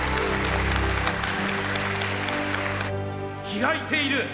開いている！